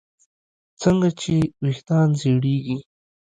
څنګه چې ویښتان زړېږي